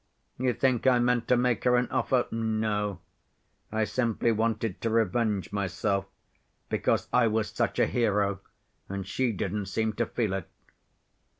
You think I meant to make her an offer? No, I simply wanted to revenge myself, because I was such a hero and she didn't seem to feel it.